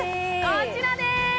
こちらです